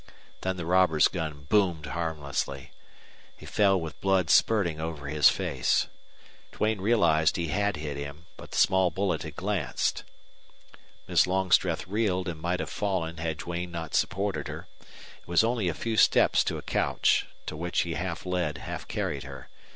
Then the robber's gun boomed harmlessly. He fell with blood spurting over his face. Duane realized he had hit him, but the small bullet had glanced. Miss Longstreth reeled and might have fallen had Duane not supported her. It was only a few steps to a couch, to which he half led, half carried her.